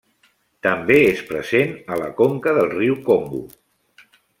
També és present a la conca del riu Congo.